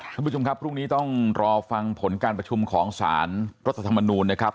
ท่านผู้ชมครับพรุ่งนี้ต้องรอฟังผลการประชุมของสารรัฐธรรมนูลนะครับ